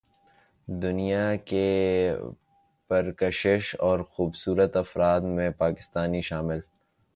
دنیا کے پرکشش اور خوبصورت افراد میں پاکستانی شامل